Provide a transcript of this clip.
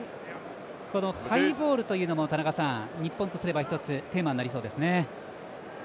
ハイボールというのも日本とすれば一つテーマですね。